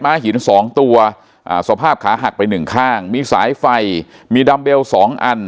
้าหินสองตัวอ่าสภาพขาหักไปหนึ่งข้างมีสายไฟมีดัมเบลสองอัน